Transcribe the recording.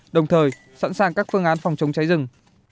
đồng thời sẵn sàng các phương án phòng chống cháy rừng